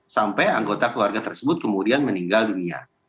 sampai anggota keluarga tersebut kemudian meninggal dunia